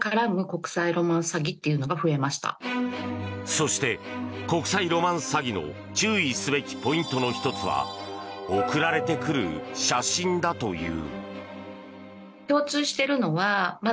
そして、国際ロマンス詐欺の注意すべきポイントの１つは送られてくる写真だという。